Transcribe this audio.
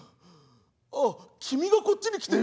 「あっ君がこっちに来てよ」。